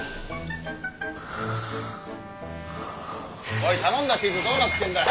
おい頼んだチーズどうなってんだよ。